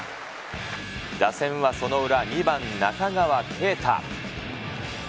打線はその裏、２番中川圭太。